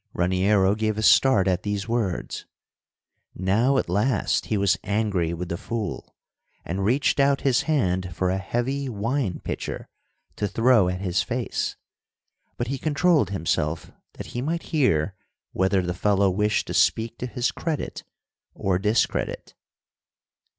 Raniero gave a start at these words. Now, at last, he was angry with the fool, and reached out his hand for a heavy wine pitcher to throw at his face, but he controlled himself that he might hear whether the fellow wished to speak to his credit or discredit.